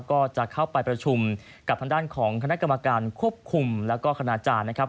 ก็จะเข้าไปประชุมกับทางด้านของคณะกรรมการควบคุมแล้วก็คณาจารย์นะครับ